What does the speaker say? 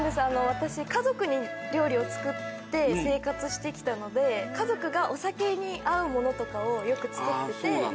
私家族に料理を作って生活してきたので家族がお酒に合うものとかをよく作ってて。